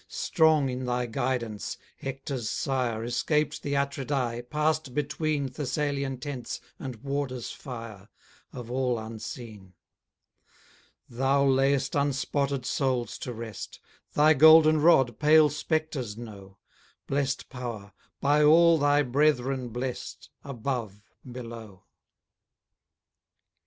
Strong in thy guidance, Hector's sire Escaped the Atridae, pass'd between Thessalian tents and warders' fire, Of all unseen. Thou lay'st unspotted souls to rest; Thy golden rod pale spectres know; Blest power! by all thy brethren blest, Above, below!